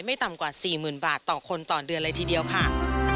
ต่ำกว่า๔๐๐๐บาทต่อคนต่อเดือนเลยทีเดียวค่ะ